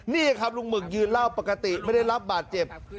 นี่ครับลุงหมึกยืนเล่าปกติไม่ได้รับบาดเจ็บ